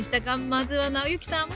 まずは尚之さん。